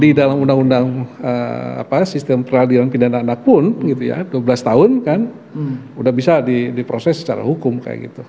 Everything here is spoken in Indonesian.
di dalam undang undang sistem peradilan pidana anak pun gitu ya dua belas tahun kan udah bisa diproses secara hukum kayak gitu